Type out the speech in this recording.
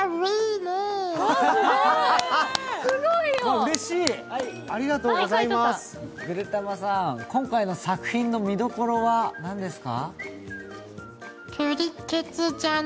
ねぐでたまさん、今回の作品の見どころは何ですか？